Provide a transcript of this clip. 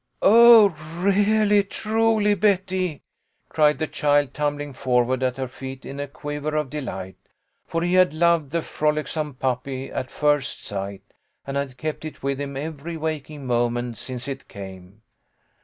*' "Oh, really, truly, Betty?" cried the child, tum bling forward at her feet in a quiver of delight, for he had loved the frolicsome puppy at first sight, and had kept it with him every waking moment since it came.